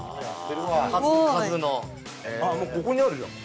あっもうここにあるじゃん。